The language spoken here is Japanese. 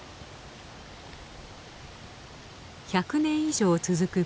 １００年以上続く